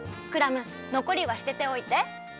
クラムのこりは捨てておいて。